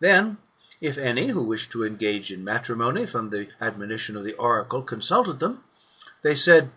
Then if any, who wished to engage in matrimony, from the admonition of the oracle, consulted them, they said.